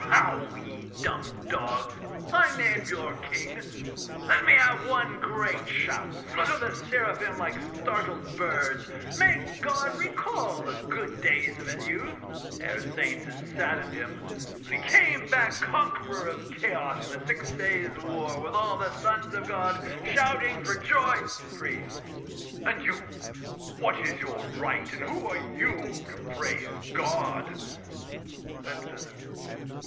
_] Howl! ye dumb dogs, I named your King let me have one great shout, Flutter the seraphim like startled birds; Make God recall the good days of His youth Ere saints had saddened Him: when He came back Conqueror of Chaos in a six days' war, With all the sons of God shouting for joy ... PRIEST. And you what is your right, and who are you, To praise God? REDFEATHER.